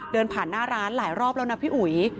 เดินผ่านหน้าร้านหลายรอบแล้วนะพี่อุ๋ย